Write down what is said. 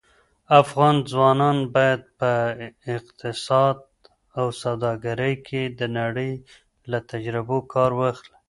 افغان ځوانان باید په اقتصاد او سوداګرۍ کې د نړۍ له تجربو کار واخلي.